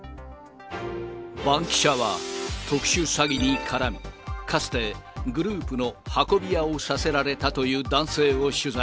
バンキシャは、特殊詐欺に絡み、かつてグループの運び屋をさせられたという男性を取材。